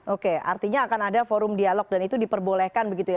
oke artinya akan ada forum dialog dan itu diperbolehkan begitu ya